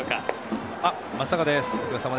松坂です。